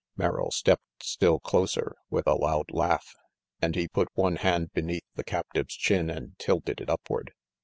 Merrill stepped still closer with a loud laugh, and he put one hand beneath the captive's chin and tilted it upward.